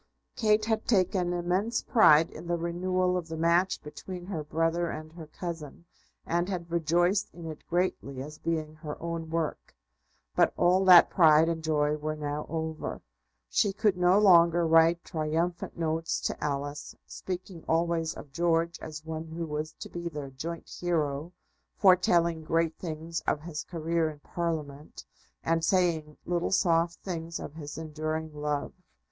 Kate had taken immense pride in the renewal of the match between her brother and her cousin, and had rejoiced in it greatly as being her own work. But all that pride and joy were now over. She could no longer write triumphant notes to Alice, speaking always of George as one who was to be their joint hero, foretelling great things of his career in Parliament, and saying little soft things of his enduring love.